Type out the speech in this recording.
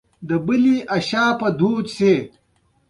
بد نیت د کار پایله خرابوي.